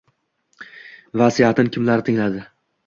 Vasiyatin kimlar tingladi?